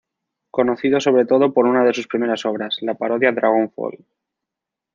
Conocido sobre todo por una de sus primeras obras, la parodia Dragon Fall.